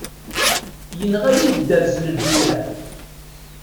Yenɣa-yi dderz n lǧiran.